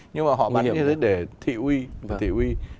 nhưng mà họ bắn như thế để thị uy